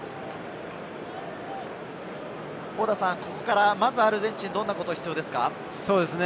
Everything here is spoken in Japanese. ここからアルゼンチンはどんなことが必要ですか？